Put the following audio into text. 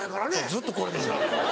ずっとこれなの。